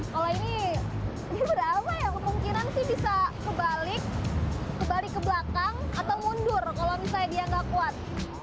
kalau ini dia berapa ya kemungkinan sih bisa kebalik kebalik ke belakang atau mundur kalau misalnya dia nggak kuat